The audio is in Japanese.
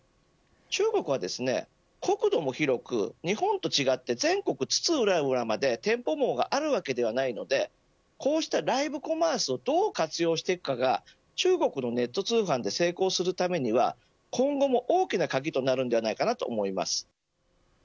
中国は国土も広く日本と違って全国津々浦々まで店舗網があるわけではないのでこうしたライブコマースをどう活用していくかが中国のネット通販で成功するためには今後も大きな鍵となるんではないかと思います。